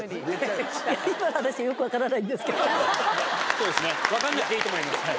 そうですね分かんなくていいと思います。